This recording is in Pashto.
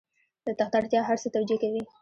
د تخت اړتیا هر څه توجیه کوي.